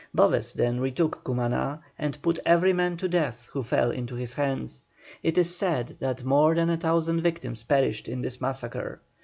Boves then retook Cumaná, and put every man to death who fell into his hands. It is said that more than a thousand victims perished in this massacre.